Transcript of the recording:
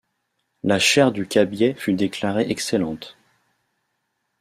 La chair du cabiai fut déclarée excellente